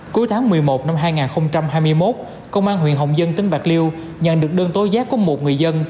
cuối tháng một mươi một năm hai nghìn hai mươi một công an huyện hồng dân tỉnh bạc liêu nhận được đơn tối giác của một người dân